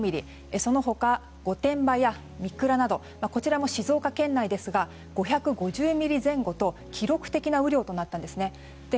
その他、御殿場や三倉などこちらも静岡県内ですが５５０ミリ前後と記録的な雨量となったんです。